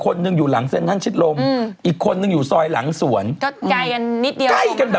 ก็เค้าออกกำลังกายกันบ่อย